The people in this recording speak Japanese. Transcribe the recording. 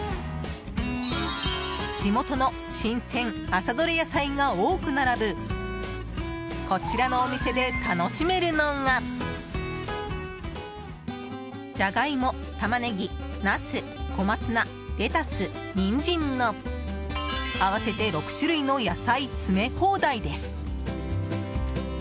地元の新鮮朝どれ野菜が多く並ぶこちらのお店で楽しめるのがジャガイモ、タマネギ、ナス小松菜、レタス、ニンジンの合わせて６種類の野菜詰め放題です。